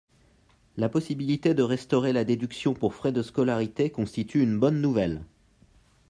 La possibilité de restaurer la déduction pour frais de scolarité constitue une bonne nouvelle.